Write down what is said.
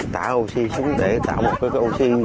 tạo oxy xuống để tạo một cái oxy